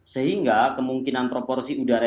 sehingga kemungkinan proporsi udara